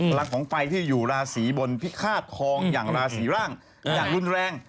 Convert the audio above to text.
หลังของไฟที่อยู่ราศีบนพิฆาตทองอย่างราศีร่างอย่างรุนแรง